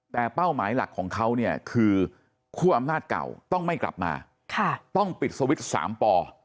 แต่เป้าหมายหลักของเขาเนี่ยคือคั่วอำนาจเก่าต้องไม่กลับมาต้องปิดสวิตช์๓ป